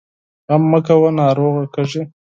غم مه کوه ، ناروغ کېږې!